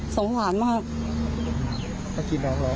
สงสารมาก